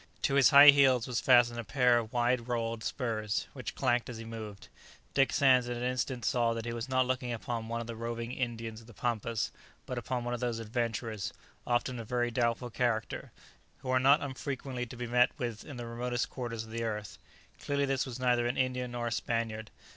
To his high heels was fastened a pair of wide rowelled spurs, which clanked as he moved. Dick Sands in an instant saw that he was not looking upon one of the roving Indians of the pampas, but upon one of those adventurers, often of very doubtful character, who are not unfrequently to be met with in the remotest quarters of the earth. Clearly this was neither an Indian nor a Spaniard.